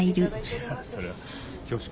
いやそれは恐縮。